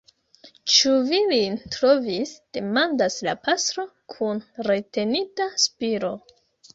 Ĉu vi lin trovis?demandas la pastro kun retenita spiro.